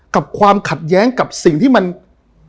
กับความขัดแย้งกับสิ่งที่มันเป็น